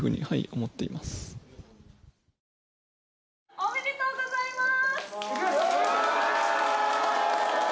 おめでとうございます！